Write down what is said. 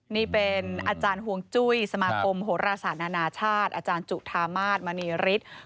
นี่เป็นอาจารย์ห่วงจุ้ยสมาคมโหรศาสตร์นานาชาติอาจารย์จุธามาศมณีฤทธิ์